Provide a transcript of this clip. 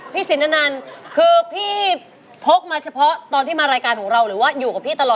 พี่อยู่กับผมบนรายการของเราหรือว่าอยู่กับพี่ตลอดอย่างนี้